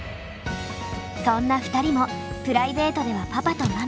そんな２人もプライベートではパパとママ。